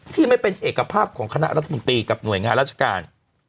ที่ไม่เป็นเอกภาพของคณะรัฐมนตรีกับหน่วยงานราชการ